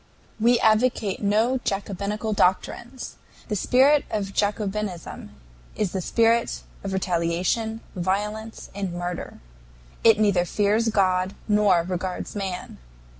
"We advocate no Jacobinical doctrines. The spirit of Jacobinism is the spirit of retaliation, violence, and murder. It neither fears God nor regards man.